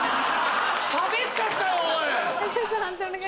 しゃべっちゃったよおい。